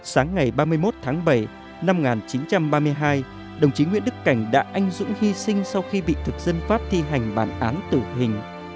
sáng ngày ba mươi một tháng bảy năm một nghìn chín trăm ba mươi hai đồng chí nguyễn đức cảnh đã anh dũng hy sinh sau khi bị thực dân pháp thi hành bản án tử hình